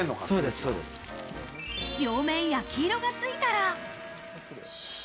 両面焼き色がついたら。